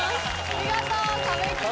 見事壁クリアです。